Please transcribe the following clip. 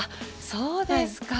そうですか。